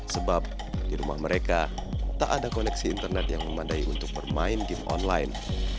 sebab di rumah mereka tak ada koneksi internet yang memandai untuk bermain game online